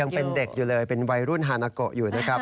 ยังเป็นเด็กอยู่เลยเป็นวัยรุ่นฮานาโกะอยู่นะครับ